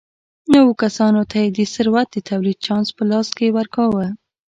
نویو کسانو ته یې د ثروت د تولید چانس په لاس ورکاوه.